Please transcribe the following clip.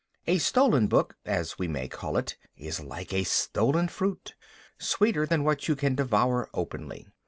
A stolen book (as we may call it) is like stolen fruit, sweeter than what you can devour openly.